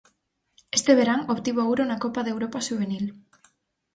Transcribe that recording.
Este verán obtivo o ouro na Copa de Europa xuvenil.